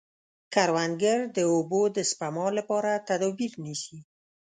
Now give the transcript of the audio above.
کروندګر د اوبو د سپما لپاره تدابیر نیسي